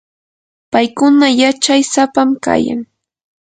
paykuna yachay sapam kayan.